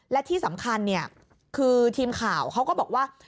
และที่สำคัญคือทีมข่าวเขาก็บอกว่า